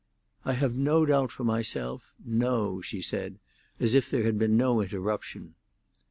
"I have no doubt for myself—no," she said, as if there had been no interruption.